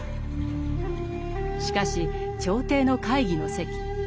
しかし朝廷の会議の席。